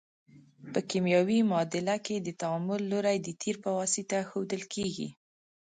په کیمیاوي معادله کې د تعامل لوری د تیر په واسطه ښودل کیږي.